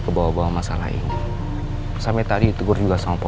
kalau memang tidak ada urusan